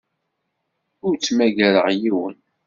Ur ttmagareɣ yiwen.